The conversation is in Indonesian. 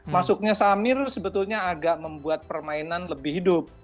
masuknya samir sebetulnya agak membuat permainan lebih hidup